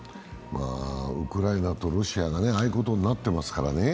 ウクライナとロシアがああいうことになってますからね。